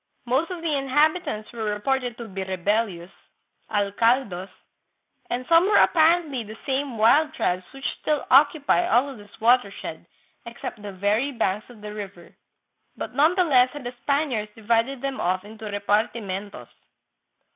Most of the inhabitants were reported to be " rebellious " (algados) and some were apparently the same wild tribes which still occupy all of this water shed, except the very banks of the river; but none the less had the Spaniards divided them off into " repartimentos."